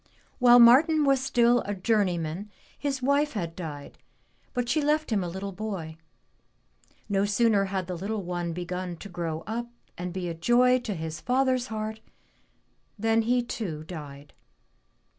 While Martin was still a journeyman his wife had died, but she left him a little boy. No sooner had the little one begun to grow up and be a joy to his father's heart than he too died.